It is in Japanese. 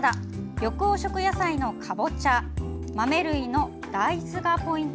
緑黄色野菜のかぼちゃ豆類の大豆がポイント